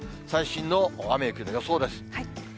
最新の雨や雪の予想です。